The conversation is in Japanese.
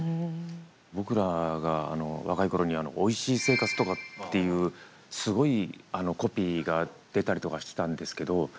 僕らが若いころに「おいしい生活」とかっていうすごいコピーが出たりとかしてたんですけど。